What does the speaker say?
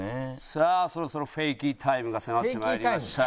さあそろそろフェイキータイムが迫って参りました。